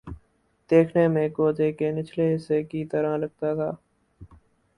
دیکھنے میں کوزے کے نچلے حصے کی طرح لگتا تھا